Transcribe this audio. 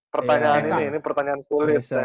pertanyaan ini ini pertanyaan sulit